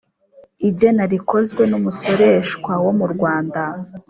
Igena rikozwe n umusoreshwa wo mu rwanda